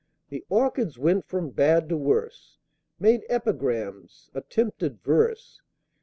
The Orchids went from bad to worse, Made epigrams attempted verse!